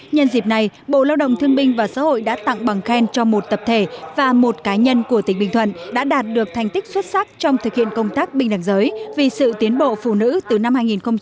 nhân dịp này bộ lao động thương binh và xã hội đã tặng bằng khen cho một tập thể và một cá nhân của tỉnh bình thuận đã đạt được thành tích xuất sắc trong thực hiện công tác bình đảng giới vì sự tiến bộ phụ nữ từ năm hai nghìn một mươi một hai nghìn một mươi năm